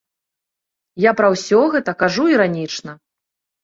Я пра ўсё гэта кажу іранічна.